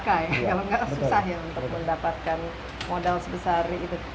kalau nggak susah ya untuk mendapatkan modal sebesar itu